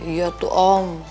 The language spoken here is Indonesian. iya tuh om